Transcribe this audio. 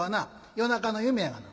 夜中の夢やがな」。